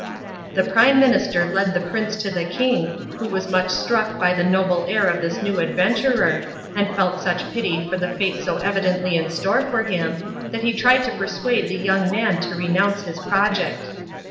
The prime minister led the prince to the king, who was much struck by the noble air of this new adventurer, and felt such pity for the fate so evidently in store for him, that he tried to persuade the young man to renounce his project.